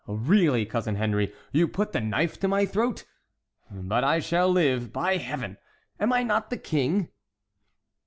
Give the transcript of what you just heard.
"Really, cousin Henry, you put the knife to my throat! But I shall live. By Heaven! am I not the king?"